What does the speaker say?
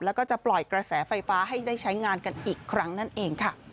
แล้วก็จะปล่อยกระแสไฟฟ้าให้ได้ใช้งานกันอีกครั้งนั่นเองค่ะ